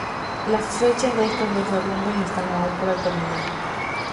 Las fechas de estos dos derrumbes están aún por determinar.